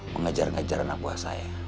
mengejar ngejar anak buah saya